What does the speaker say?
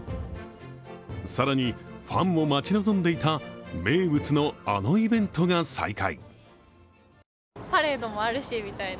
更に、ファンも待ち望んでいた名物の、あのイベントが再開。